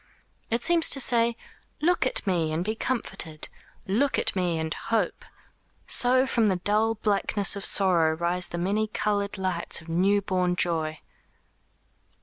It seems to say: "Look at me and be comforted! Look at me and hope! So from the dull blackness of sorrow rise the many coloured lights of new born joy."